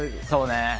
そうね。